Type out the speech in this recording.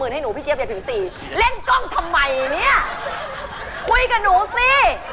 อยากถึงสี่เล่นกล้องทำไมเนี้ยคุยกับหนูสิ